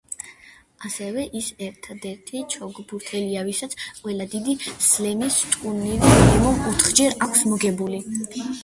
ასევე ის ერთადერთი ჩოგბურთელია, ვისაც ყველა დიდი სლემის ტურნირი მინიმუმ ოთხჯერ აქვს მოგებული.